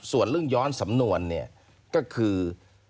ส่วนเรื่องย้อนสำนวนเนี่ยก็คือ